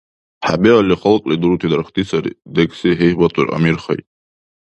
— ХӀебиалли халкьли дурути дархьти сари, — декӀси гьигьбатур Амирхай.